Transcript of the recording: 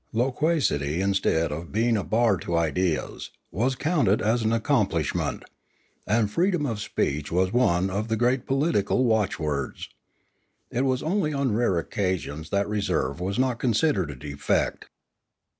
L,oquacity, instead of being a bar to ideas, was counted an accomplishment; and freedom of speech was one of the great political watchwords. It was only on rare occasions that reserve was not con sidered a defect.